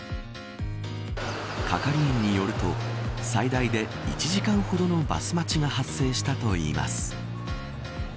係員によると最大で１時間ほどのバス待ちが発生したといいます。